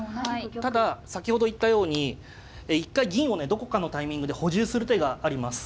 ただ先ほど言ったように一回銀をねどこかのタイミングで補充する手があります。